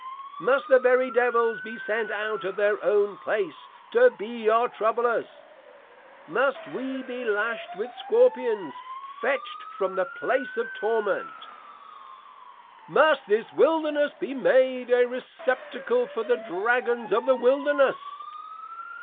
Must the very Devils be sent out of Their own place, to be our Troublers: Must we be lash'd with Scorpions, fetch'd from the Place of Torment? Must this Wilderness be made a Receptacle for the Dragons of the Wilderness?